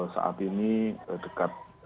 saat ini dekat